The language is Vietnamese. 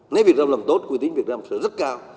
nếu việt nam làm tốt quy tính việt nam sẽ rất cao